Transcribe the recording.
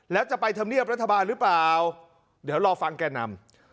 แล้วจะไปทำเนียบรัฐบาลหรือเปล่าเดี๋ยวรอฟังแก่นำ